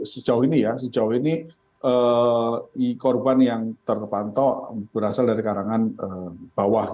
sejauh ini ya sejauh ini korban yang tertepantau berasal dari karangan bawah